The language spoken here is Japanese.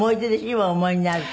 今思いになると。